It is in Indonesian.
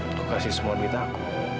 aku kasih semua duit aku